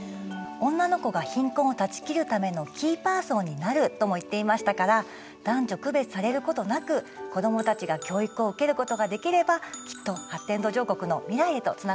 「女の子が貧困を断ち切るためのキーパーソンになる」とも言っていましたから男女区別されることなく子どもたちが教育を受けることができればきっと発展途上国の未来へとつながると思います。